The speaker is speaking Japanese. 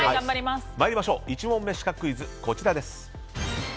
参りましょう、１問目シカクイズこちらです。